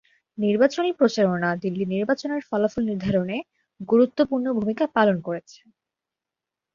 নির্বাচনী প্রচারণা দিল্লির নির্বাচনের ফলাফল নির্ধারণে গুরুত্বপূর্ণ ভূমিকা পালন করেছে।